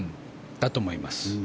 だと思います。